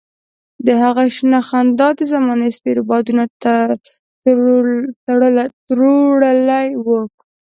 د هغه شنه خندا د زمانې سپېرو بادونو تروړلې وه.